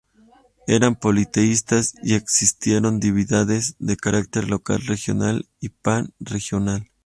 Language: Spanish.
Eran politeístas y existieron divinidades de carácter local, regional y pan-regional.